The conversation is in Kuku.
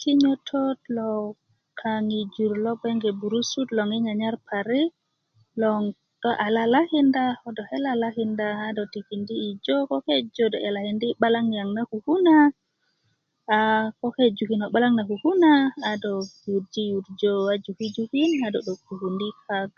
kinyotot lo kaŋ yi jur lo gbeŋge burusut loŋ yi nyanyar parik loŋ do lalakinda a ko do ke' lalakinda do tikindi yi jo' ko ke jo a do 'yalakindi' 'balaŋ niyaŋ na kuku na a ko ke jukin ko 'balaŋ na kuku na a do yurjiyurjö a juki jukin a do 'dukundi' kak